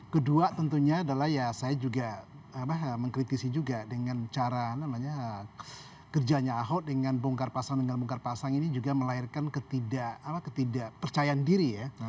kedua tentunya adalah ya saya juga mengkritisi juga dengan cara namanya kerjanya ahok dengan bongkar pasang dengan bongkar pasang ini juga melahirkan ketidakpercayaan diri ya